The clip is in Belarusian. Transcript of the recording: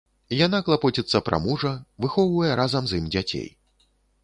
Яна клапоціцца пра мужа, выхоўвае разам з ім дзяцей.